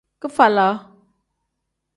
Kifalag.